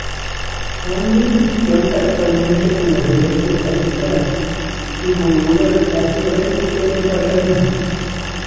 Andrews cuenta actualmente con las siguientes facultades, subdivididas a su vez en departamentos.